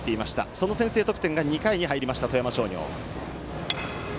その先制得点が２回に入りました、富山商業。